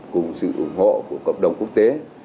cùng sự ủng hộ của cộng đồng quốc tế